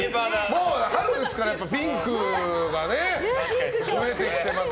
もう春ですからやっぱりピンクがね増えてきています。